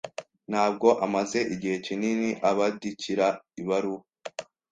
Ntabwo amaze igihe kinini abandikira ibaruwa.